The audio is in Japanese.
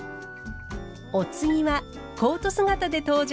お次はコート姿で登場。